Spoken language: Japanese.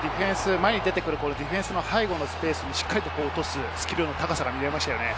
ディフェンスの背後のスペースにしっかり落とすスキルの高さが見られましたね。